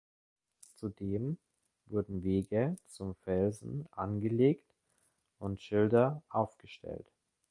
Zudem wurden Wege zum Felsen angelegt und Schilder aufgestellt.